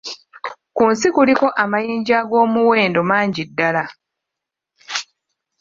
Ku nsi kuliko amayinja ag'omuwendo mangi ddala